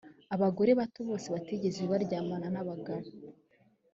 abagore bato bose batigeze baryamana n’abagabo.